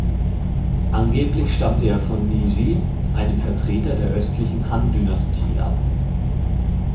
Angeblich stammte er von Nie Yi, einem Vertreter der Östlichen Han-Dynastie, ab.